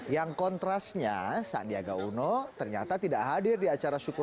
yang kontrasnya sandiaga uno ternyata tidak hadir di acara syukur